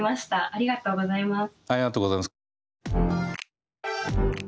ありがとうございます。